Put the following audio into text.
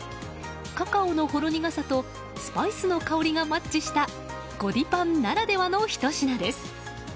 カカオのほろ苦さとスパイスの香りがマッチしたゴディパンならではのひと品です。